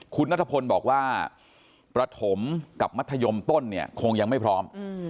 คุณนัทพลบอกว่าประถมกับมัธยมต้นเนี่ยคงยังไม่พร้อม